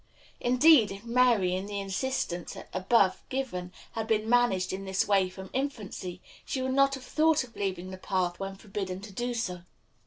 Indeed, if Mary, in the instance above given, had been managed in this way from infancy, she would not have thought of leaving the path when forbidden to do so.